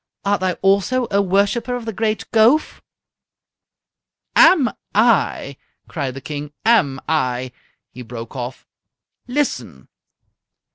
Art thou also a worshipper of the great Gowf?" "Am I!" cried the King. "Am I!" He broke off. "Listen!"